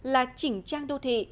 là chỉnh trang đô thị